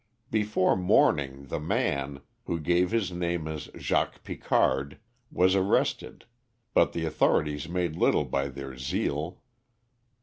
Before morning the man, who gave his name as Jacques Picard, was arrested, but the authorities made little by their zeal.